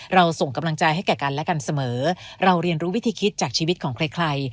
ส่งกำลังใจให้แก่กันและกันเสมอเราเรียนรู้วิธีคิดจากชีวิตของใคร